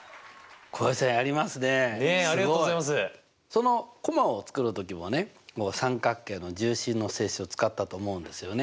そのコマを作る時もね三角形の重心の性質を使ったと思うんですよね。